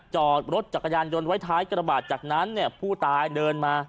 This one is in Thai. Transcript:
จอดรถจักรยานยนต์ไว้ท้ายกระบาดจากนั้นเนี่ยผู้ตายเดินมา